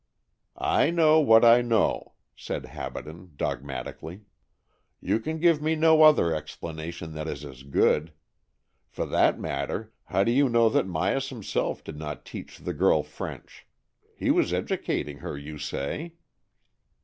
" I know what I know," said Habaden dogmatically. ''You can give me no other explanation that is as good. For that matter, how do you know that Myas himself did not teach the girl French? He was educating her, you say."